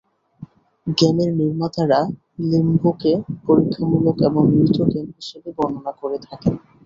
গেমের নির্মাতারা লিম্বোকে পরীক্ষামূলক এবং মৃত গেম হিসেবে বর্ণনা করে থাকেন।